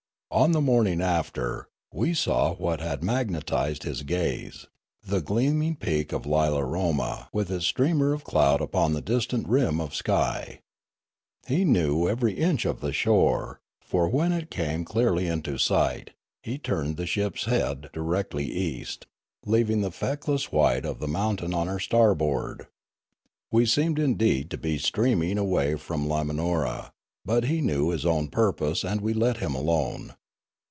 On the morning after, we saw what had magnetised his gaze ; the gleaming peak of Lilaroma with its streamer of cloud upon the distant rim of sk} . He knew every inch of the shore ; for, when it came clearly into sight, he turned the ship's head directly east, leaving the fleckless white of the 41 8 Riallaro mountain on our starboard. We seemed indeed to be steaming away from Limanora ; but he knew his own purpose, and we let him alone.